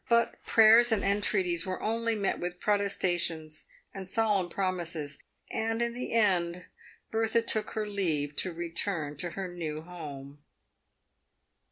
But prayers and entreaties were only met with ; protestations and solemn promises, and in the end Bertha took her leave to return to her new home.